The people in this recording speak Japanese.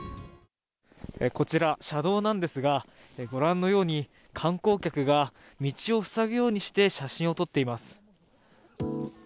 こちら、車道なんですが、ご覧のように、観光客が道を塞ぐようにして写真を撮っています。